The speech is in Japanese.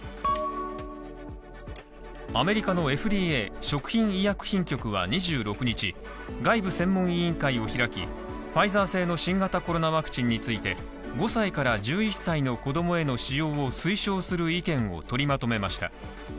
アメリカのＦＤＡ食品医薬品局は２６日、外部専門委員会を開き、ファイザー製の新型コロナワクチンについて、５歳から１１歳の子供への使用を推奨する意見を取りまとめました。